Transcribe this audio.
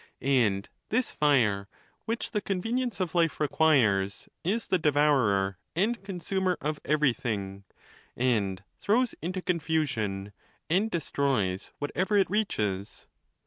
And this fire, which the convenience of life requires, is the devourer and consumer of everything, and throws into confusion and destroys whatever it reaches.